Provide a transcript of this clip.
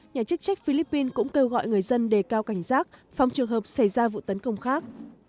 nhà chức trách philippines cũng kêu gọi người dân đề cao cảnh giác phòng trường hợp xảy ra vụ tấn công khác